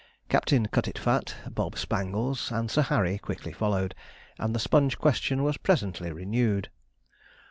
Captain Cutitfat, Bob Spangles, and Sir Harry quickly followed, and the Sponge question was presently renewed.